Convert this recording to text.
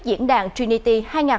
diễn đàn trinity hai nghìn hai mươi bốn